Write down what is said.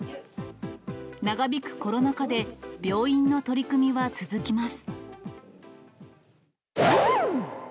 長引くコロナ禍で病院の取り組みは続きます。